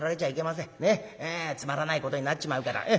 つまらないことになっちまうから。